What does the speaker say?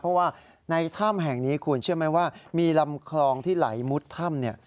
เพราะว่าในถ้ำแห่งนี้คุณเชื่อไหมว่ามีลำคลองที่ไหลมุดถ้ำเนี่ย